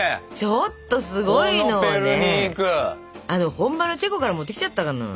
本場のチェコから持ってきちゃったのよ。